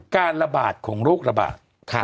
การระบาดของโรคระบาด